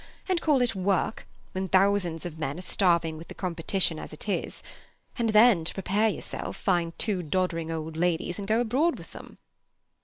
And call it Work—when thousands of men are starving with the competition as it is! And then to prepare yourself, find two doddering old ladies, and go abroad with them."